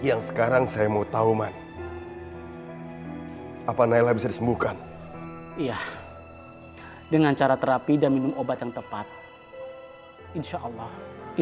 apa yang dialami sangat begitu berat ardi